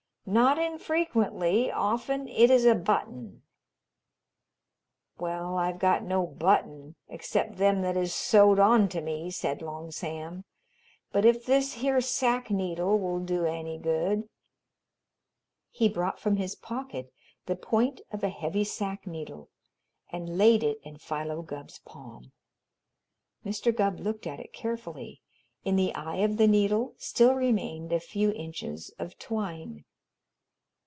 Not infrequently often it is a button." "Well, I've got no button except them that is sewed onto me," said Long Sam, "but if this here sack needle will do any good " He brought from his pocket the point of a heavy sack needle and laid it in Philo Gubb's palm. Mr. Gubb looked at it carefully. In the eye of the needle still remained a few inches of twine.